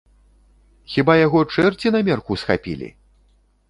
Хіба яго чэрці на мерку схапілі?